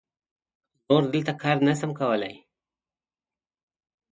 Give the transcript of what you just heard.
نور دلته کار نه سم کولای.